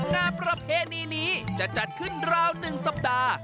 งานประเพณีนี้จะจัดขึ้นราว๑สัปดาห์